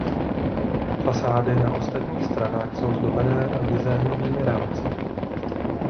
Fasády na ostatních stranách jsou zdobené lizénovými rámci.